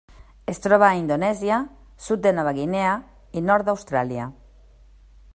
Es troba a Indonèsia, sud de Nova Guinea i nord d'Austràlia.